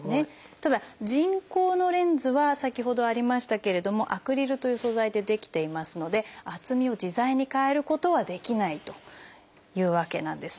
ただ人工のレンズは先ほどありましたけれどもアクリルという素材で出来ていますので厚みを自在に変えることはできないというわけなんですね。